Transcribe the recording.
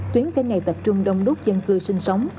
tuyến kênh này tập trung đông đúc dân cư sinh sống